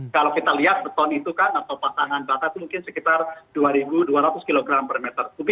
kalau kita lihat beton itu kan atau pasangan batas itu mungkin sekitar dua dua gram